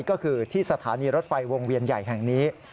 ก็คือที่สถานีรถไฟวงเวียนใหญ่แห่งนี้